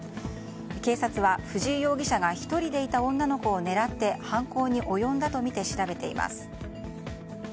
警察は、藤井容疑者が１人でいた女の子を狙って犯行に及んだとみて調べています。